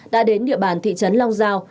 đã đến địa bàn thị trấn long giao